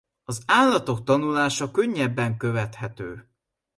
Az állatok tanulása könnyebben követhető.